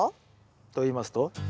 といいますと？